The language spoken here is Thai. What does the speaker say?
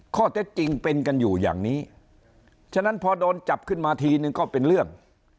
ข้อเท็จจริงเป็นกันอยู่อย่างนี้ฉะนั้นพอโดนจับขึ้นมาทีนึงก็เป็นเรื่อง